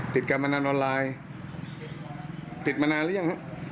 อ๋อติดการพนันออนไลน์ติดมานานหรือยังครับ